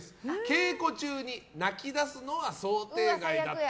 稽古中に泣き出すのは想定外だった。